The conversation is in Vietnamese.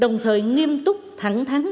đồng thời nghiêm túc thẳng thắng